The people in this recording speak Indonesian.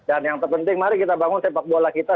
yang terpenting mari kita bangun sepak bola kita